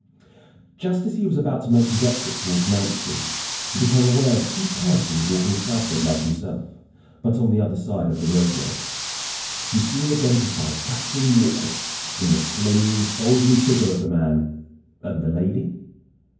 Just as he was about to make his exit towards Mount Street he became aware of two persons walking southward like himself, but on the other side of the roadway. He soon identified Captain Warkworth in the slim, soldierly figure of the man. And the lady?